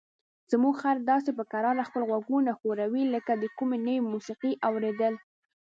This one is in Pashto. زموږ خر داسې په کراره خپل غوږونه ښوروي لکه د کومې نوې موسیقۍ اوریدل.